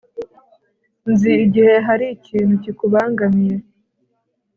Nzi igihe hari ikintu kikubangamiye